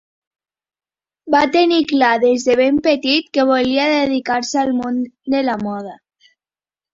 Va tenir clar des de ben petit que volia dedicar-se al món de la moda.